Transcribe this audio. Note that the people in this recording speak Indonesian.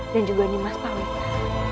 dan juga nimas pauwita